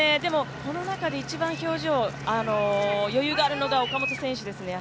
この中で一番表情、余裕があるのが岡本選手ですね。